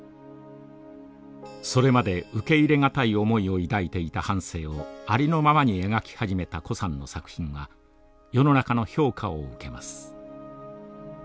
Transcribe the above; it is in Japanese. それまで受け入れ難い思いを抱いていた半生をありのままに描き始めた高さんの作品は世の中の評価を受けます。